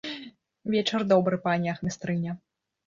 Вечар добры, пані ахмістрыня!